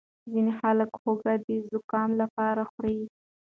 ځینې خلک هوږه د زکام لپاره خوري.